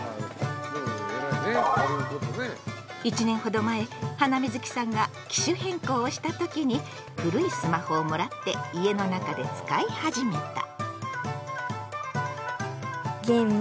１年ほど前ハナミズキさんが機種変更をした時に古いスマホをもらって家の中で使い始めた。